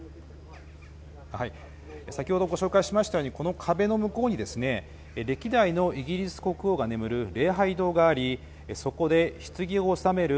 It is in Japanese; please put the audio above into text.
先ほどご紹介しましたようにこの壁の向こうに歴代のイギリス国王が眠る礼拝堂がありそこで、ひつぎを納める